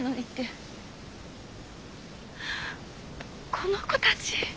この子たち